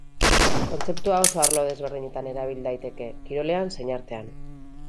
Kontzeptua oso arlo desberdinetan erabil daiteke, kirolean zein artean.